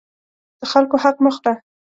د خلکو حق مه خوره.